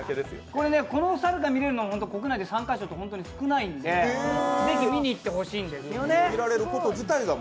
この猿が見れるのは国内で３か所と少ないんでぜひ見に行ってほしいんですよね。